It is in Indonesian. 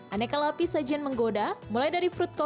aneka lapis sajian menggoda mulai dari fruit cold